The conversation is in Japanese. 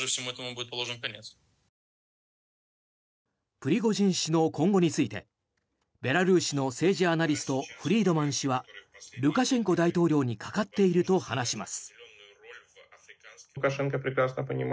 プリゴジン氏の今後についてベラルーシの政治アナリストフリードマン氏はルカシェンコ大統領にかかっていると話します。